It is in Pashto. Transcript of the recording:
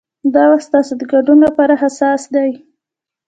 دا وخت ستاسو د ګډون لپاره حساس دی.